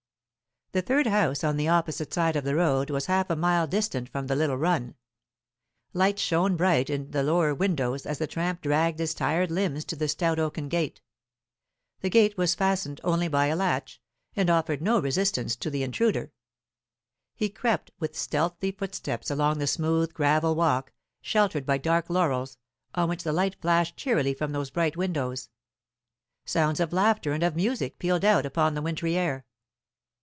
The third house on the opposite side of the road was half a mile distant from the little run. Lights shone bright in the lower windows as the tramp dragged his tired limbs to the stout oaken gate. The gate was fastened only by a latch, and offered no resistance to the intruder. He crept with stealthy footsteps along the smooth gravel walk, sheltered by dark laurels, on which the light flashed cheerily from those bright windows. Sounds of laughter and of music pealed out upon the wintry air.